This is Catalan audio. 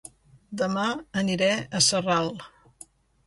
Dema aniré a Sarral